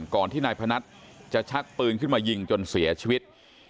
ก่อนที่นายพนัทจะชักปืนขึ้นมายิงจนเสียชีวิต